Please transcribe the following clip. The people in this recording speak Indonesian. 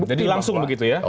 jadi langsung begitu ya